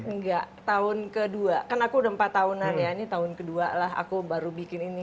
enggak tahun ke dua kan aku udah empat tahunan ya ini tahun ke dua lah aku baru bikin ini